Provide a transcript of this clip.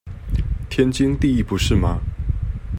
天經地義不是嗎？